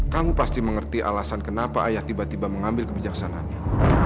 kamu pasti mengerti alasan kenapa ayah tiba tiba mengambil kebijaksanaannya